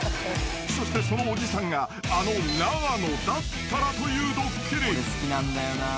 そしてそのおじさんがあの永野だったらというドッキリ］